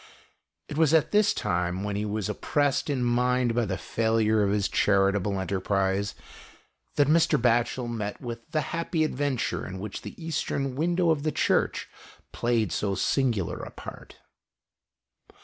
It was at this time, when he was oppressed in mind by the failure of his charitable enter prise, that Mr. Batohel met with the happy adventure in which the Eastern window of the Church played so singular a part.